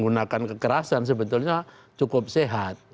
hanya saja memang tidak bisa politik itu hanya dikerjakan pada tataran masyarakat sipil